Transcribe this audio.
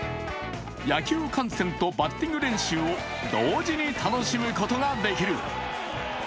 野球観戦とバッティング練習を同時に楽しむことができる。